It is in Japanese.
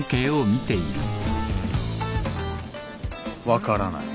分からない。